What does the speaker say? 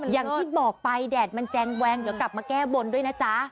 อย่างที่บอกไปแดดมันแจงแวงเดี๋ยวกลับมาแก้บนด้วยนะจ๊ะ